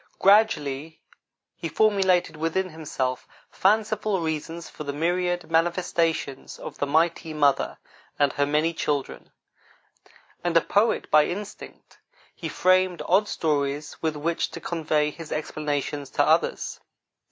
Gradually, he formulated within himself fanciful reasons for the myriad manifestations of the Mighty Mother and her many children; and a poet by instinct, he framed odd stories with which to convey his explanations to others.